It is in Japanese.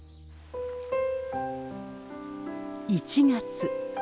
１月。